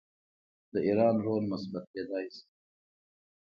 د ایران رول مثبت کیدی شي.